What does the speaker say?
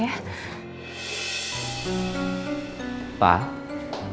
terima kasih tante